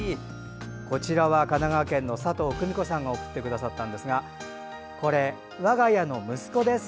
こちら、神奈川県横浜市の佐藤久美子さんが送ってくださったんですがこれ、我が家の息子です。